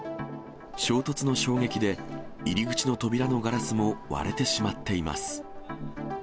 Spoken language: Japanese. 衝突の衝撃で入り口の扉のガラスも割れてしまっています。